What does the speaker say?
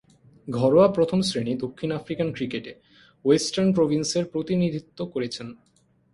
ঘরোয়া প্রথম-শ্রেণীর দক্ষিণ আফ্রিকান ক্রিকেটে ওয়েস্টার্ন প্রভিন্সের প্রতিনিধিত্ব করেছেন।